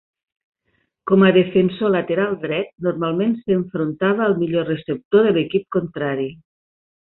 Com a defensor lateral dret, normalment s'enfrontava al millor receptor de l'equip contrari.